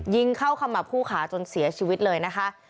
ยิงเข้าขมับคู่ขาจนเสียชีวิตเลยนะคะ